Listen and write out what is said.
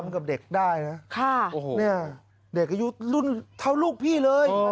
ทำกับเด็กได้น่ะค่ะโอ้โฮเด็กอยู่รุ่นเท่าลูกพี่เลยโอ้